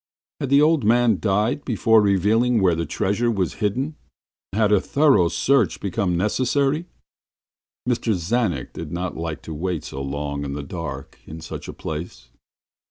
Had the old man died before revealing where his treasure was hidden, and had a thorough search become necessary? Mr. Czanek did not like to wait so long in the dark in such a place.